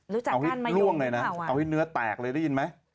รู้จักก้านมะยมค่ะว่าวะเอาให้ล่วงเลยนะเอาให้เนื้อแตกเลยได้ยินไหม